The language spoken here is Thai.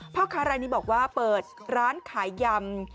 พ่อค้ารายนี้บอกว่าเปิดร้านขายยำ